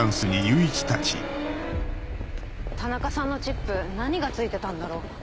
田中さんのチップ何が付いてたんだろ。